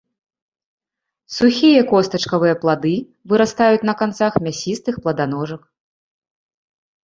Сухія костачкавыя плады вырастаюць на канцах мясістых пладаножак.